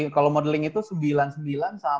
kalau modeling itu sembilan puluh sembilan sampai